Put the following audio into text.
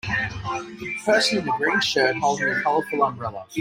A person in a green shirt holding a colorful umbrella.